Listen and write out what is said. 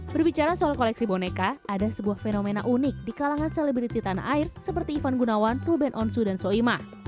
berbicara soal koleksi boneka ada sebuah fenomena unik di kalangan selebriti tanah air seperti ivan gunawan ruben onsu dan soima